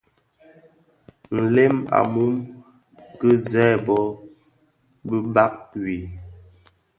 Nlem a mum ki zerbo, bi bag wii,